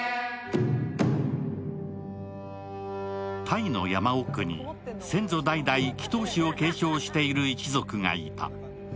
タイの山奥に先祖代々、祈とう師を継承している一族がいた。